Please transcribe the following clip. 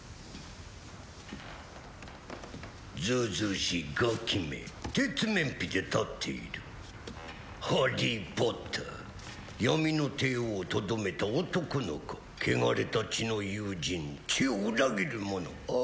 ずうずうしいガキめ鉄面皮で立っているハリー・ポッター闇の帝王をとどめた男の子汚れた血の友人血を裏切る者あ